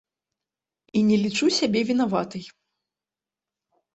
І не лічу сябе вінаватай.